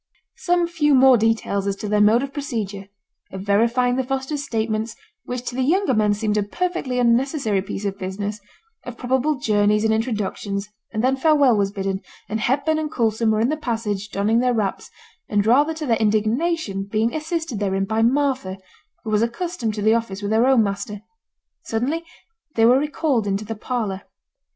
Some few more details as to their mode of procedure of verifying the Fosters' statements, which to the younger men seemed a perfectly unnecessary piece of business of probable journeys and introductions, and then farewell was bidden, and Hepburn and Coulson were in the passage donning their wraps, and rather to their indignation being assisted therein by Martha, who was accustomed to the office with her own master. Suddenly they were recalled into the parlour.